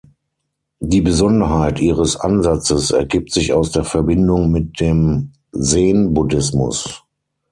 Die Besonderheit ihres Ansatzes ergibt sich aus der Verbindung mit dem Zen-Buddhismus.